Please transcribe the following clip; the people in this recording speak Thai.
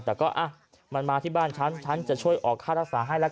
แต่ก็มันมาที่บ้านฉันฉันจะช่วยออกค่ารักษาให้ละกัน